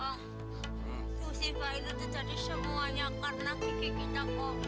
ah kusipan itu jadi semuanya karena gigi kita kok